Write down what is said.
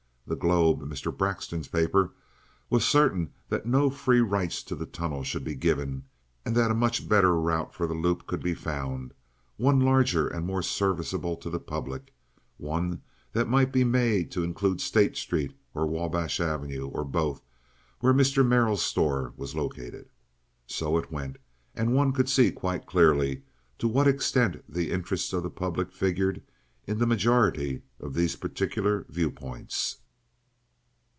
The Globe, Mr. Braxton's paper, was certain that no free rights to the tunnel should be given, and that a much better route for the loop could be found—one larger and more serviceable to the public, one that might be made to include State Street or Wabash Avenue, or both, where Mr. Merrill's store was located. So it went, and one could see quite clearly to what extent the interests of the public figured in the majority of these particular viewpoints.